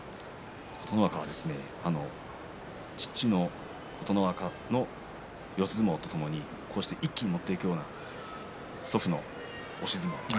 琴ノ若、父の琴ノ若の四つ相撲とともにこうして一気に持っていくような祖父の押し相撲